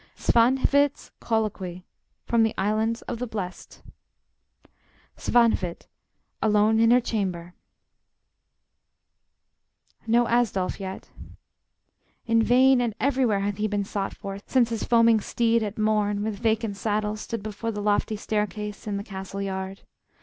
SVANHVIT'S COLLOQUY From 'The Islands of the Blest' SVANHVIT (alone in her chamber) No Asdolf yet, in vain and everywhere Hath he been sought for, since his foaming steed, At morn, with vacant saddle, stood before The lofty staircase in the castle yard.